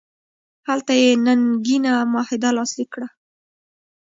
هلته یې ننګینه معاهده لاسلیک کړه.